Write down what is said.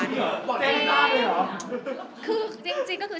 จริงจริงก็คือ